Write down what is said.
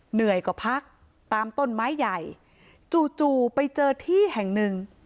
เหนื่อยกว่าพักตามต้นไม้ใหญ่จู่จู่ไปเจอที่แห่งหนึ่ง